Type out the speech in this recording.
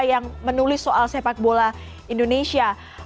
yang menulis soal sepak bola indonesia